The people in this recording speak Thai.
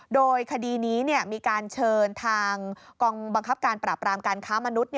โดยคดีนี้มีการเชิญทางกองบังคับการปราบรามการค้ามนุษย์